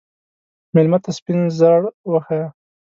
مېلمه ته سپین زړه وښیه.